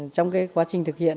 trong cái quá trình thực hiện